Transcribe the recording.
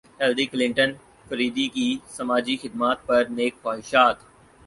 Hillary Clinton فریدی کی سماجی خدمات پر نیک خواہشات